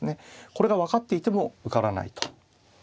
これが分かっていても受からないということですね。